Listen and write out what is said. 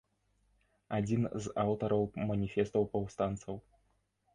Адзін з аўтараў маніфестаў паўстанцаў.